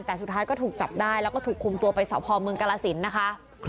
แต่สุดท้ายก็ถูกจับได้แล้วก็ถูกคุมตัวไปสพเมืองกรสินนะคะ